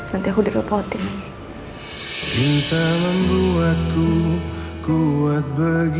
nanti aku di reporting